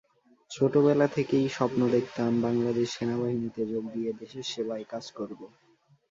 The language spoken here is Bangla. ছোটবেলা থেকেই স্বপ্ন দেখতাম বাংলাদেশ সেনাবাহিনীতে যোগ দিয়ে দেশের সেবায় কাজ করব।